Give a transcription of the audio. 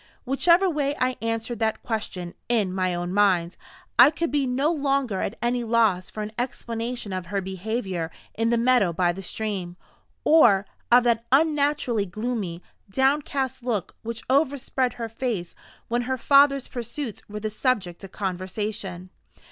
Whichever way I answered that question in my own mind, I could be no longer at any loss for an explanation of her behavior in the meadow by the stream, or of that unnaturally gloomy, downcast look which overspread her face when her father's pursuits were the subject of conversation.